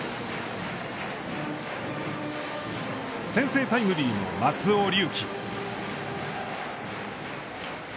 先制タイムリーの松尾龍樹。